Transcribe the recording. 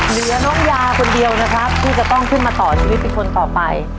เหลือน้องยาคนเดียวนะครับที่จะต้องขึ้นมาต่อชีวิตเป็นคนต่อไป